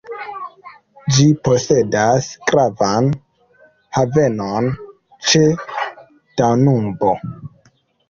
Ĝi posedas gravan havenon ĉe Danubo.